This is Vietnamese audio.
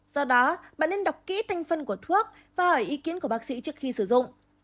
do đó bạn nên đọc kỹ thanh phân của thuốc và hỏi ý kiến của bác sĩ trước khi sử dụng